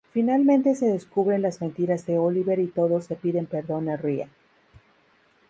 Finalmente se descubren las mentiras de Oliver y todos le piden perdón a Ryan.